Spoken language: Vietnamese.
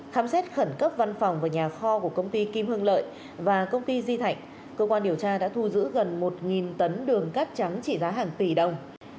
khám xét khẩn cấp văn phòng và nhà kho của công ty kim hưng lợi và công ty di thạnh cơ quan điều tra đã thu giữ gần một tấn đường cát trắng trị giá hàng tỷ đồng